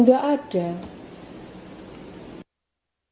nggak ada nggak ada